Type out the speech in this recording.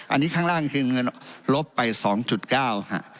อันนี้ข้างล่างคือเงินลบไป๒๙ค่ะ